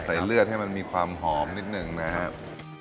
ใส่เลือดให้มันมีความหอมนิดนึงนะครับ